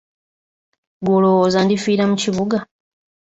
Ggw'olowooza ndifiira mu kibuga.